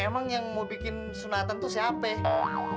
emang yang mau bikin sunatan tuh siapa ya